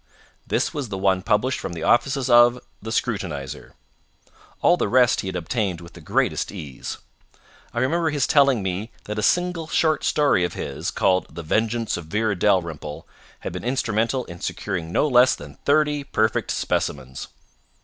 This was the one published from the offices of the Scrutinizer. All the rest he had obtained with the greatest ease. I remember his telling me that a single short story of his, called 'The Vengeance of Vera Dalrymple,' had been instrumental in securing no less than thirty perfect specimens.